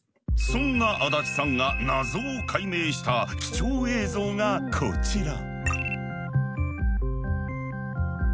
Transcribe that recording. そんな足立さんが謎を解明した貴重映像がこちら。